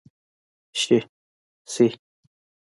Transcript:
شي،